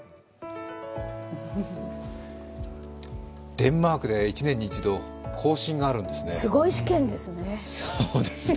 デンマークで１年に一度、更新があるんですね。